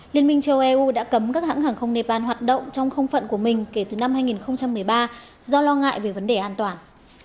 liên minh châu âu đã cấm các hãng hàng không nepal hoạt động trong không phận của mình kể từ năm hai nghìn một mươi ba do lo ngại về vấn đề an toàn